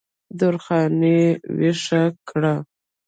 درخانۍ ویښه کړه